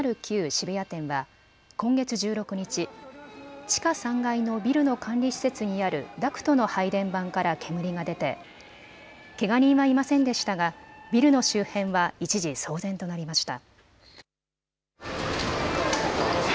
渋谷店は今月１６日、地下３階のビルの管理施設にあるダクトの配電盤から煙が出てけが人はいませんでしたがビルの周辺は一時、騒然となりました。